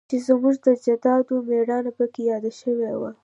چې زموږ د اجدادو میړانه پکې یاده شوی وه